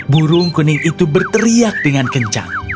burung kuning itu berteriak dengan kencang